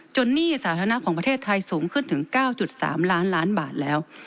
หนี้สาธารณะของประเทศไทยสูงขึ้นถึง๙๓ล้านล้านบาทแล้ว